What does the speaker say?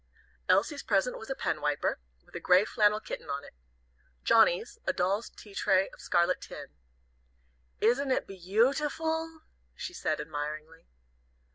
Elsie's present was a pen wiper, with a gray flannel kitten on it. Johnnie's, a doll's tea tray of scarlet tin. "Isn't it beau ti ful?" she said, admiringly.